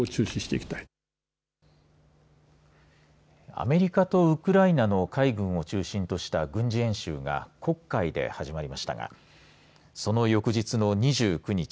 アメリカとウクライナの海軍を中心とした軍事演習が黒海で始まりましたがその翌日の２９日